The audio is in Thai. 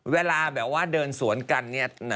เวลาแบบว่าเดินสวนกัน